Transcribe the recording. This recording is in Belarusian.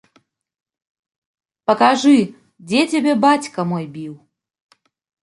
Пакажы, дзе цябе бацька мой біў?